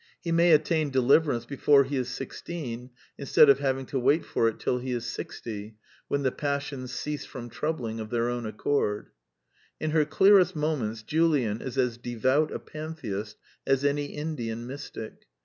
He may attain Deliverance before he is sixteen, instead of having to wait for it till he is sixty, when the passions cease from troubling of their own accord. In her clearest moments Julian is as devout a pantheist as any Indian mystic.